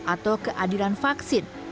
atau keadilan vaksin